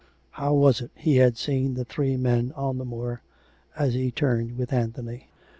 ... How was it he had seen the three men on the moor; as he turned with Anthony?